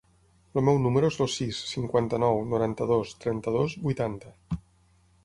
El meu número es el sis, cinquanta-nou, noranta-dos, trenta-dos, vuitanta.